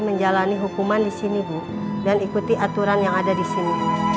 menjalani hukuman di sini bu dan ikuti aturan yang ada di sini